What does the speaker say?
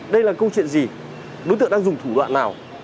đây là câu chuyện gì đối tượng đang dùng thủ đoạn nào